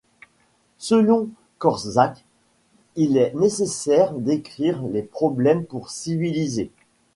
Selon Korczak, il est nécessaire d’écrire les problèmes pour civiliser.